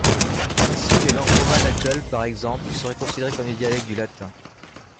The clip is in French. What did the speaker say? Ainsi, les langues romanes actuelles par exemple seraient considérées comme des dialectes du latin.